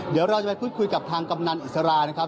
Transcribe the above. เดี๋ยวเราจะไปพูดคุยกับทางกำนันอิสรานะครับ